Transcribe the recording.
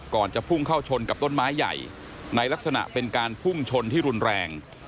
จะพุ่งเข้าชนกับต้นไม้ใหญ่ในลักษณะเป็นการพุ่งชนที่รุนแรง